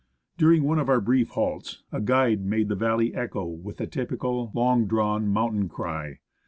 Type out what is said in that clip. During one of our brief halts, a guide made the valley echo with the typical, long drawn mountain cry.